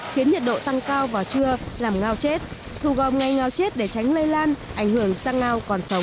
khiến nhiệt độ tăng cao vào trưa làm ngao chết thù gom ngay ngao chết để tránh lây lan ảnh hưởng sang ngao còn sống